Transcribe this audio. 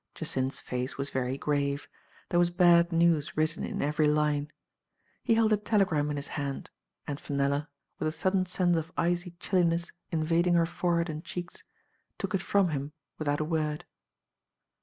Jacynth's face was very grave; there was bad news written in every line. He held a telegram in his hand, and Fenella, with a«sudden sense of icy chilliness invading her forehead and cheeks, took it from him without a word.